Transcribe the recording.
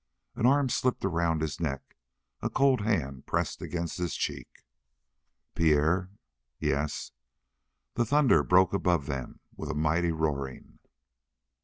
An arm slipped around his neck a cold hand pressed against his cheek. "Pierre." "Yes." The thunder broke above them with a mighty roaring.